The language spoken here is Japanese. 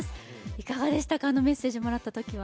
いかがでしたかあのメッセージもらったときは？